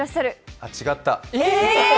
あ、違った。